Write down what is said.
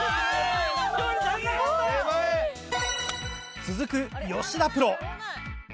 ・続く吉田プロ。